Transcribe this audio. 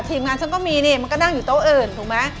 ทีมงานฉันก็มีนี่มันก็นั่งอยู่โต๊ะอื่นถูกไหม